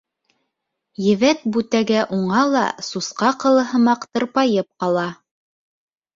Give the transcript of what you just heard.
Ебәк бүтәгә уңа ла сусҡа ҡылы һымаҡ тырпайып ҡала.